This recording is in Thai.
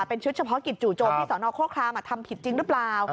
เป็นชุดเฉพาะกิจจู่โจมที่สนโฆครามทำผิดจริงหรือเปล่า